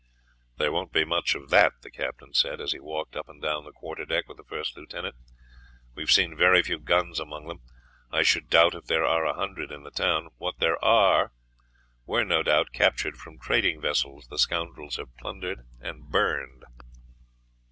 "There won't be much of that," the captain said, as he walked up and down the quarterdeck with the first lieutenant; "we have seen very few guns among them. I should doubt if there are a hundred in the town. What there are were, no doubt, captured from trading vessels the scoundrels have plundered and burned."